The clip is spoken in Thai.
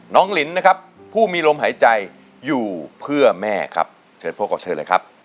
ลินนะครับผู้มีลมหายใจอยู่เพื่อแม่ครับเชิญพ่อกับเชิญเลยครับ